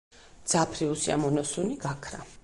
მძაფრი უსიამოვნო სუნი გაქრა.